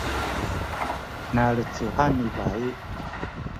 nalecuhan ni bayi